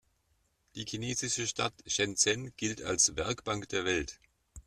Die chinesische Stadt Shenzhen gilt als „Werkbank der Welt“.